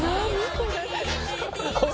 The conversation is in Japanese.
これ」